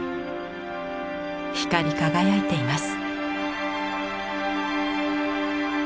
光り輝いています。